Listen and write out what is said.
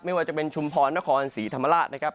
ไม่ว่าจะเป็นชุมพรนครศรีธรรมราชนะครับ